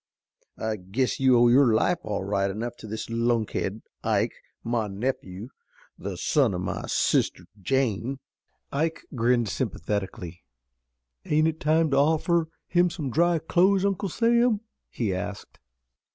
I guess you owe your life all right enough to this lunkhead, Ike, my nephew, the son o' my sister Jane." Ike grinned sympathetically. "Ain't it time to offer him some dry clothes, Uncle Sam?" he asked.